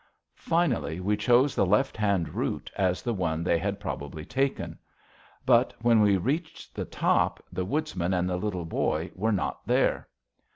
Finally, we chose the left hand route as the one they had probably taken. But when we reached the top, the Woodsman and the Little Boy were not there.